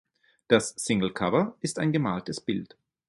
Das Singlecover ist ein gemaltes Bild.